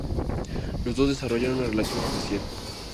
Los dos desarrollaron una relación especial.